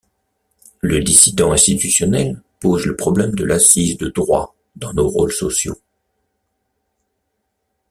Le dissident institutionnel pose le problème de l’assise de droit dans nos rôles sociaux.